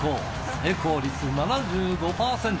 成功率７５％。